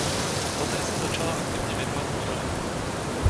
Poté se začala aktivně věnovat modelingu.